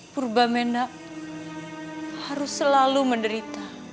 purba menda harus selalu menderita